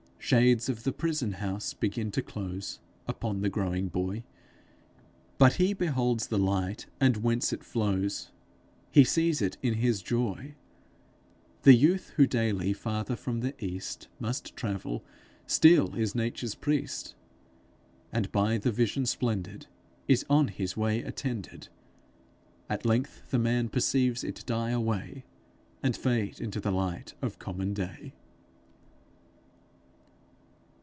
Shades of the prison house begin to close Upon the growing Boy, But he beholds the light, and whence it flows, He sees it in his joy; The Youth, who daily farther from the east Must travel, still is Nature's Priest, And by the vision splendid Is on his way attended; At length the Man perceives it die away, And fade into the light of common day.